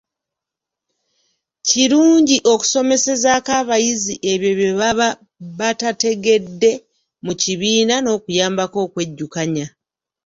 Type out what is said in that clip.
Kirungi okusomesezaako abayizi ebyo bye baaba batategedde mu kibiina n'okuyambako okwejjukanya.